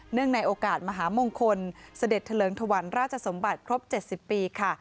เนื่องในโอกาสมหามงคลเสด็จเฉลิมทวรรณราชสมบัติครบ๗๐ปีค่ะ